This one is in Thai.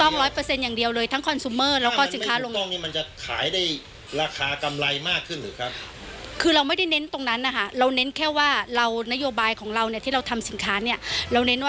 ไม่ได้คัดเลือกว่าของเราเนี่ยเอาแบบถูกต้องอย่างเดียว